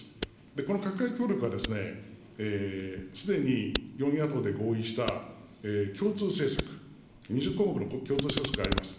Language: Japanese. この閣外協力が、すでに４野党で合意した共通政策、２０項目の共通政策があります。